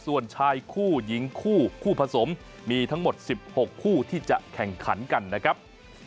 ส่วนชายคู่หญิงคู่คู่ผสมมีทั้งหมด๑๖คู่ที่จะแข่งขันกันนะครับ